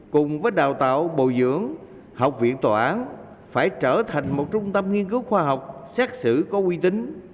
cùng với đào tạo bồi dưỡng học viện tòa án phải trở thành một trung tâm nghiên cứu khoa học xét xử có quy tính